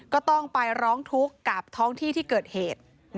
ก็ต้องไปร้องทุกข์กับท้องที่ที่เกิดเหตุ